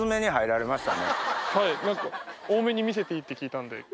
はい何か多めに見せていいって聞いたんで。